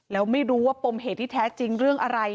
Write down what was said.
แล้วไม่รู้ว่าปมเหตุที่แท้จริงเรื่องอะไร